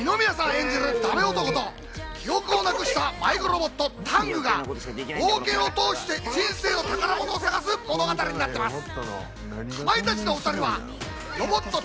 演じるダメ男と記憶をなくした迷子ロボット・タングが冒険を通して人生の宝物を探す物語になっています。